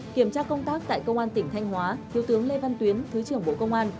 kiểm tra công tác tại công an tỉnh thanh hóa thiếu tướng lê văn tuyến thứ trưởng bộ công an